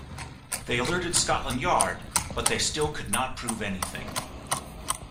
They alerted Scotland Yard, but they still could not prove anything.